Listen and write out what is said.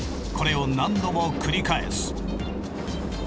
これを何度も繰り返す。